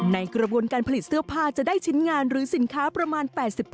ในกระบวนการผลิตเสื้อผ้าจะได้ชิ้นงานหรือสินค้าประมาณ๘๐